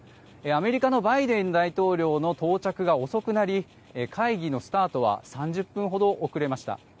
アメリカのバイデン大統領の到着が遅くなり会議のスタートは３０分ほど遅れました。